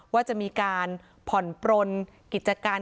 ว่าจะมีการผ่อนปลนกิจการ